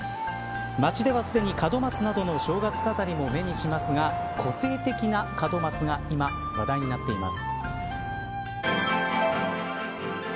街では、すでに門松などの正月飾りも目にしますが個性的な門松が今、話題になっています。